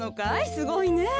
すごいねえ。